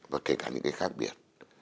và kể cả những cái khác biệt